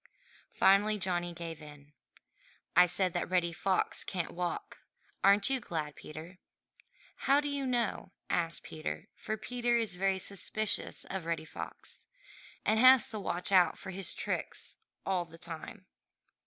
Finally Johnny gave in. "I said that Reddy Fox can't walk. Aren't you glad, Peter?" "How do you know?" asked Peter, for Peter is very suspicious of Reddy Fox, and has to watch out for his tricks all the time.